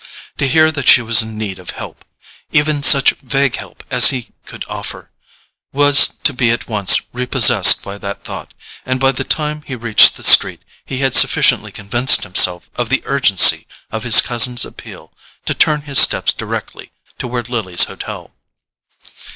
To hear that she was in need of help—even such vague help as he could offer—was to be at once repossessed by that thought; and by the time he reached the street he had sufficiently convinced himself of the urgency of his cousin's appeal to turn his steps directly toward Lily's hotel.